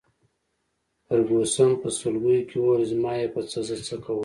فرګوسن په سلګیو کي وویل: زما يې په څه، زه څه کوم.